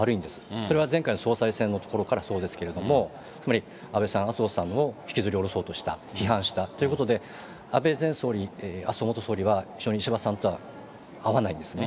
それは前回の総裁選のころからそうですけれども、つまり、安倍さん、麻生さんを引きずり降ろそうとした、批判したということで、安倍前総理、麻生元総理は非常に石破さんとは合わないんですね。